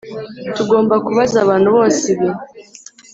tugomba kubaza abantu bose ibi.